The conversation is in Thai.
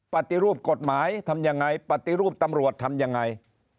ปฏิรูปกฎหมายทำยังไงปฏิรูปตำรวจทำยังไง